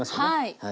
はい。